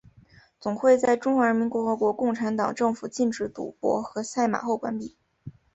总会在中华人民共和国共产党政府禁止赌博和赛马后关闭。